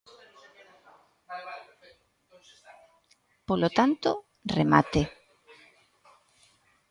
Polo tanto, remate.